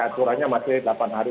aturannya masih delapan hari